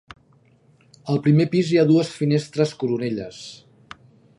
Al primer pis hi ha dues finestres coronelles.